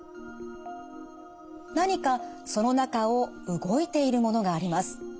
何かその中を動いているものがあります。